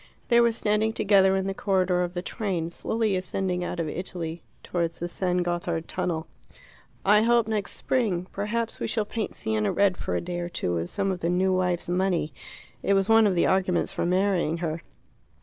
They were standing together in the corridor of the train, slowly ascending out of Italy towards the San Gothard tunnel. "I hope next spring. Perhaps we shall paint Siena red for a day or two with some of the new wife's money. It was one of the arguments for marrying her."